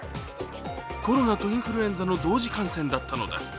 コロナとインフルエンザの同時感染だったのです。